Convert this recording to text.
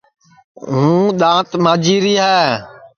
ہوں دؔات ماجی ری ہے